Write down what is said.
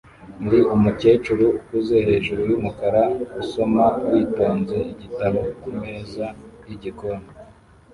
Ndi umukecuru ukuze hejuru yumukara usoma witonze igitabo kumeza yigikoni